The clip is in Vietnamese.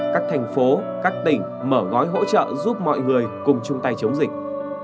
các thành phố các tỉnh mở gói hỗ trợ giúp mọi người cùng chung tay chống dịch